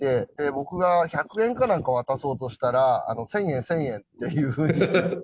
僕が１００円かなんかを渡そうとしたら、１０００円、１０００円っていうふうに。